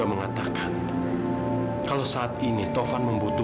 boleh kalah sama papa edo